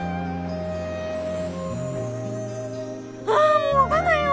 ああもう分かんないよ。